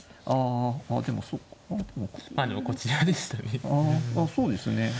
あそうですね